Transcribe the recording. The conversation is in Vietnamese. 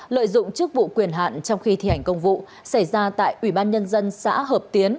lợi dụng chức vụ quyền hạn trong khi thi hành công vụ xảy ra tại ủy ban nhân dân xã hợp tiến